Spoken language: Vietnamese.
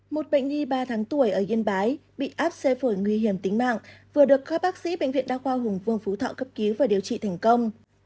một bệnh nhi ba tháng tuổi ở yên bái bị áp xe phổi nguy hiểm tính mạng vừa được các bác sĩ bệnh viện đa khoa hùng vương phú thọ cấp cứu và điều trị thành công